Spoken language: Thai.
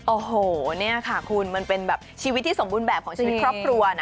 โอ้โหนี่ค่ะคุณมันเป็นแบบชีวิตที่สมบูรณ์แบบของชีวิตครอบครัวนะ